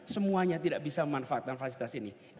semuanya tidak bisa memanfaatkan fasilitas ini